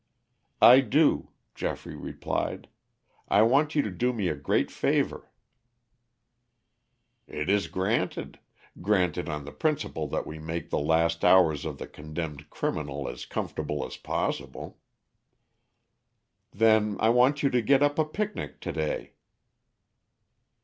"I do," Geoffrey replied. "I want you to do me a great favor." "It is granted granted on the principle that we make the last hours of the condemned criminal as comfortable as possible." "Then I want you to get up a picnic to day."